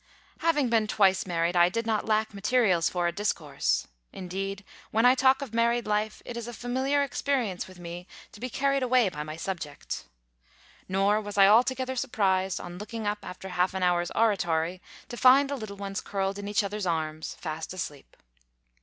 Having been twice married, I did not lack materials for a discourse. Indeed, when I talk of married life, it is a familiar experience with me to be carried away by my subject. Nor was I altogether surprised, on looking up after half an hour's oratory, to find the little ones curled in each other's arms, fast asleep.